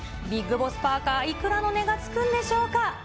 ＢＩＧＢＯＳＳパーカー、いくらの値がつくんでしょうか。